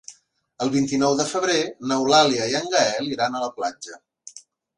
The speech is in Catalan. El vint-i-nou de febrer n'Eulàlia i en Gaël iran a la platja.